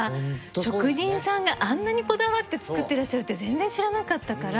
職人さんがあんなにこだわって作ってらっしゃるって全然知らなかったから。